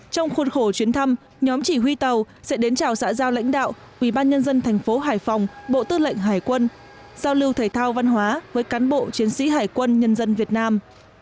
trong khuôn khổ chuyến thăm nhóm chỉ huy tàu sẽ đến chào xã giao lãnh đạo ubnd tp hải phòng bộ tư lệnh hải quân giao lưu thể thao văn hóa với cán bộ chiến sĩ hải quân nhân dân việt nam